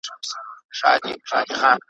هغه چي تل به وېرېدلو ځیني ,